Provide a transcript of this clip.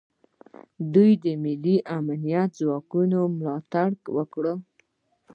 دوی د ملي امنیتي ځواکونو ملاتړ وکړ